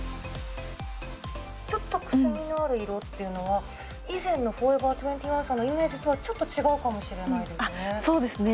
ちょっとくすみのある色というのは、以前のフォーエバー２１さんのイメージとはちょっと違うそうですね。